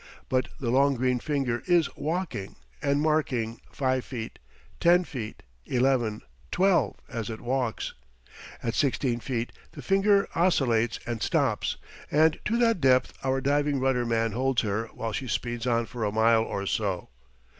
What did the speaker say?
But the long green finger is walking, and marking 5 feet, 10 feet, 11, 12, as it walks. At 16 feet the finger oscillates and stops, and to that depth our diving rudder man holds her while she speeds on for a mile or so.